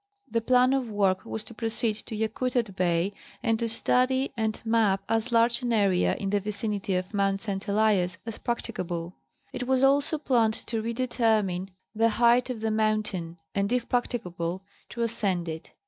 The plan of work was to proceed to Yakutat Bay and to study and map as large an area in the vicinity of Mt. St. Elias as practicable. It was also planned to redetermine the height of the mountain, and, if practicable, to ascend it.